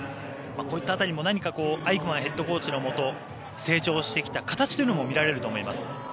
こういった辺りも、何かアイクマンヘッドコーチのもと成長してきた形というのも見られると思います。